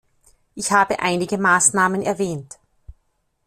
Ich habe einige Maßnahmen erwähnt.